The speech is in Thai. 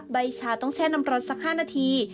ใบชาต้องแช่น้ำร้อนสัก๕นาที